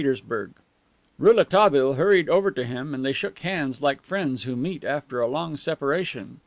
Translator's Note. Rouletabille hurried over to him and they shook hands like friends who meet after a long separation.